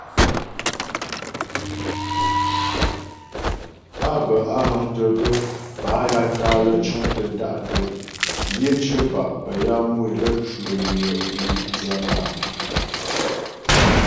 Á bə́ á həŋtə gaə́ bâ ya tǎ'a lə́ cəŋtə da'tə yə cyə̌pa' bə́ ya mu é lə cwə yə é thə́ áa.